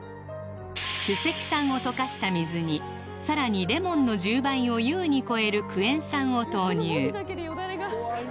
酒石酸を溶かした水にさらにレモンの１０倍を優に超えるクエン酸を投入